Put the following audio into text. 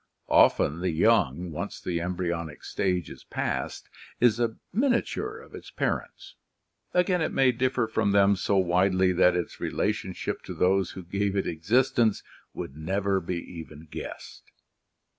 Often the young, once the embryonic stage is past, is a miniature of its par ents, again it may differ from them so widely that its relationship to those who gave it existence would never be even guessed.